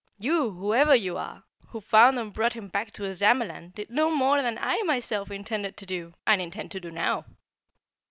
You, whoever you are, who found and brought him back to Ozamaland did no more than I myself intended to do and intend to do now.